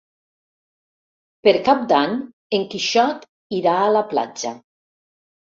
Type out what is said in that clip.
Per Cap d'Any en Quixot irà a la platja.